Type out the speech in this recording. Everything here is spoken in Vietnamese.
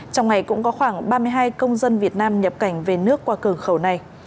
trong ngày cũng có khoảng ba mươi hai công dân việt nam nhập cảnh về nước qua cửa khẩu này